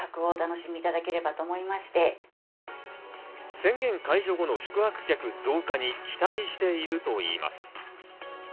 宣言解除後の宿泊客増加に期待しているといいます。